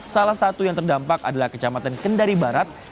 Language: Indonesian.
salah satu yang terdampak adalah kecamatan kendari barat